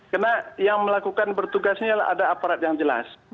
karena yang melakukan bertugasnya adalah ada aparat yang jelas